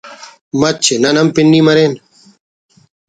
مچے نن ہم پنی مرین